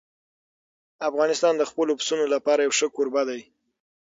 افغانستان د خپلو پسونو لپاره یو ښه کوربه دی.